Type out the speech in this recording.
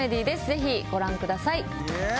ぜひご覧ください。